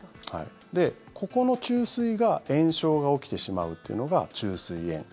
ここの虫垂が炎症が起きてしまうというのが虫垂炎。